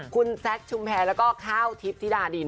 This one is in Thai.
คุณแซคชุมแพรแล้วก็ข้าวทิพย์ธิดาดิน